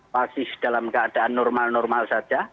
masih dalam keadaan normal normal saja